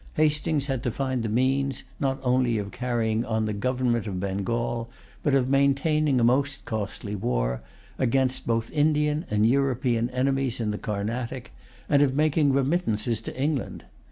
Hastings had to find the means, not only of carrying on the government of Bengal, but of maintaining a most costly war against both Indian and European enemies in the Carnatic, and of making remittances to England.